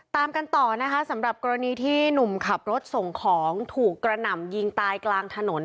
ตามกันต่อนะคะสำหรับกรณีที่หนุ่มขับรถส่งของถูกกระหน่ำยิงตายกลางถนน